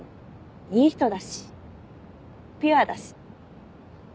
いい人だしピュアだし。